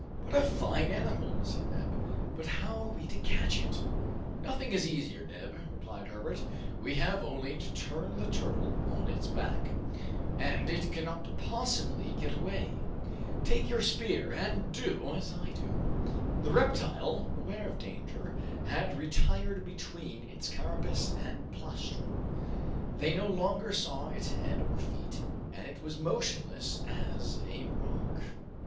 "What a fine animal!" said Neb; "but how are we to catch it?" "Nothing is easier, Neb," replied Herbert. "We have only to turn the turtle on its back, and it cannot possibly get away. Take your spear and do as I do." The reptile, aware of danger, had retired between its carapace and plastron. They no longer saw its head or feet, and it was motionless as a rock.